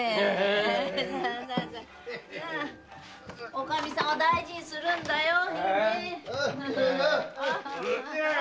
おかみさんを大事にするんだよいいね？